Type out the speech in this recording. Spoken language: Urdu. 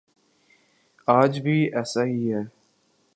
آج بھی ایسا ہی ہے۔